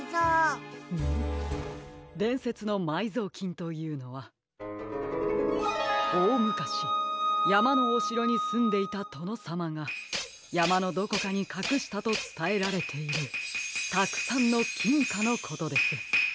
でんせつのまいぞうきんというのはおおむかしやまのおしろにすんでいたとのさまがやまのどこかにかくしたとつたえられているたくさんのきんかのことです。